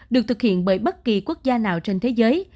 được thực hiện bởi bất kỳ quốc gia nào trên thế giới